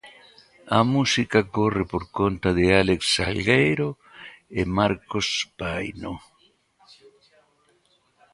A música corre por conta de Alex Salgueiro e Marcos Paino.